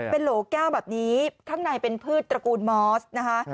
เป็นโหลแก้วแบบนี้ข้างในเป็นพืชตระกูลมอสนะคะ